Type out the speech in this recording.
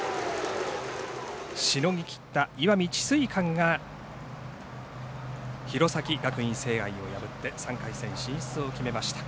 しのぎきった石見智翠館が弘前学院聖愛を破って３回戦進出を決めました。